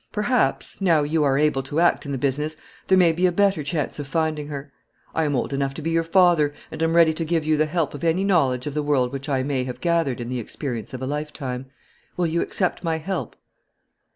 Perhaps, now you are able to act in the business, there may be a better chance of finding her. I am old enough to be your father, and am ready to give you the help of any knowledge of the world which I may have gathered in the experience of a lifetime. Will you accept my help?"